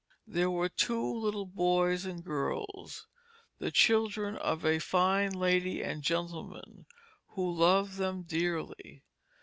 "There were two little Boys and Girls, the Children of a fine Lady and Gentleman who loved them dearly.